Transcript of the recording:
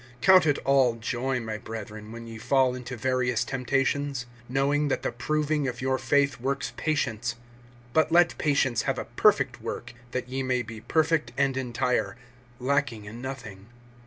(2)Count it all joy, my brethren, when ye fall into various temptations; (3)knowing that the proving of your faith works patience. (4)But let patience have a perfect work, that ye may be perfect and entire, lacking in nothing.